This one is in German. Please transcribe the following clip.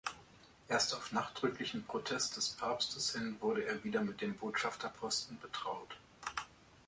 Erst auf nachdrücklichen Protest des Papstes hin wurde er wieder mit dem Botschafterposten betraut.